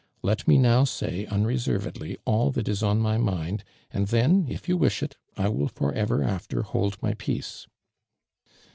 Let me now say unreservedly all that is on my mind, and then, if you wish it. I will for ever after hold my peace."